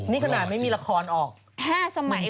นี่ขนาดไม่มีละครออก๕สมัย